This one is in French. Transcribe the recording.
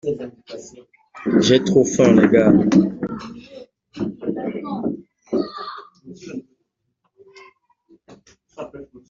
J'ai trop faim les gars.